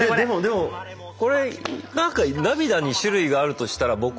でもこれなんか涙に種類があるとしたら僕は。